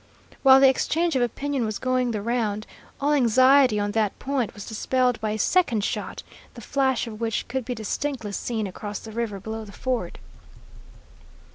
While the exchange of opinion was going the round, all anxiety on that point was dispelled by a second shot, the flash of which could be distinctly seen across the river below the ford.